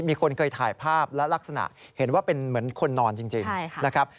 มีคนเคยถ่ายภาพและลักษณะเห็นว่าเป็นเหมือนคนนอนจริงนะครับ